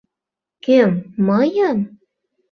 — Кӧм, мыйым?!